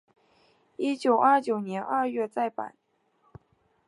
一九二九年二月再版。